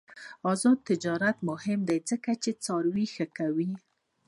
آزاد تجارت مهم دی ځکه چې څاروي ښه کوي.